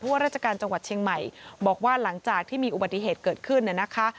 ว่าราชการจังหวัดเชียงใหม่บอกว่าหลังจากที่มีอุบัติเหตุเกิดขึ้นเนี่ยนะคะ